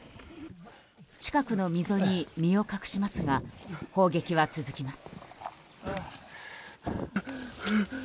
近くの溝に身を隠しますが砲撃は続きます。